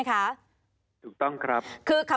มีความรู้สึกว่ามีความรู้สึกว่า